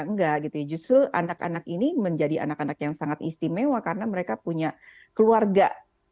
enggak gitu ya justru anak anak ini menjadi anak anak yang sangat istimewa karena mereka punya keluarga